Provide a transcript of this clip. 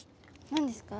何ですか？